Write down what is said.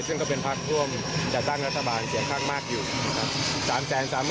ซึ่งก็เป็นพักร่วมจัดตั้งรัฐบาลเสียงข้างมากอยู่นะครับ